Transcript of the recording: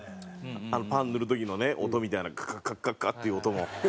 パンに塗る時のね音みたいなカカカカカっていう音も。